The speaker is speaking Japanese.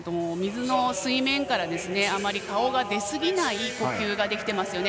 水面からあまり顔が出過ぎない呼吸ができてますよね。